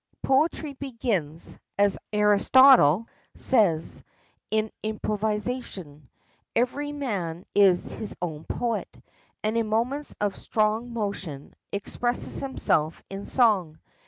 Poetry begins, as Aristotle says, in improvisation. Every man is his own poet, and, in moments of stronge motion, expresses himself in song.